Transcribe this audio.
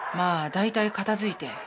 あ大体片づいて。